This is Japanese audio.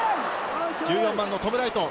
１４番のトム・ライト。